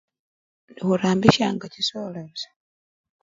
Indi khurambishanga chisoola busa.